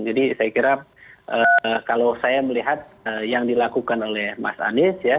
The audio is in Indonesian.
jadi saya kira kalau saya melihat yang dilakukan oleh mas anies ya